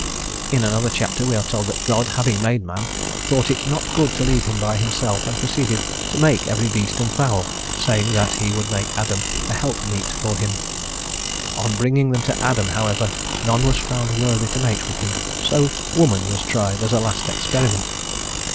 In another chapter we are told that God having made man thought it not good to leave him by himself, and proceeded to make every beast and fowl, saying that he would make Adam a help meet for him; on bringing them to Adam, however, none was found worthy to mate with him, so woman was tried as a last experiment.